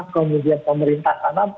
kemudian pemerintah sana